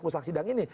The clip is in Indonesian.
aku saksi dan ini